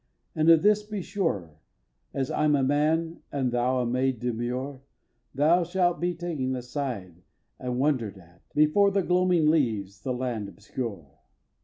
And of this be sure, As I'm a man and thou a maid demure, Thou shalt be ta'en aside and wonder'd at, Before the gloaming leaves the land obscure.